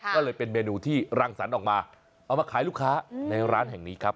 ก็เลยเป็นเมนูที่รังสรรค์ออกมาเอามาขายลูกค้าในร้านแห่งนี้ครับ